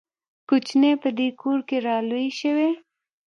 کوچنی په دې کور کې را لوی شوی.